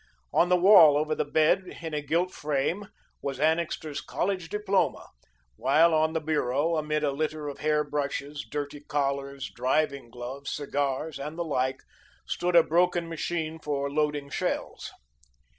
On the wall over the bed, in a gilt frame, was Annixter's college diploma, while on the bureau, amid a litter of hair brushes, dirty collars, driving gloves, cigars and the like, stood a broken machine for loading shells.